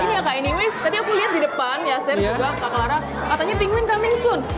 ini kak anyways tadi aku lihat di depan ya seth juga kak clara katanya penguin coming soon